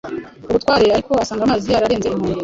ubutware ariko asanga amazi yararenze inkombe